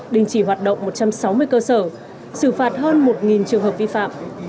đình chỉ hoạt động một trăm sáu mươi cơ sở xử phạt hơn một trường hợp vi phạm